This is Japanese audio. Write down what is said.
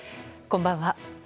こんばんは。